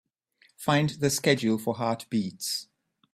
Find the schedule for Heart Beats.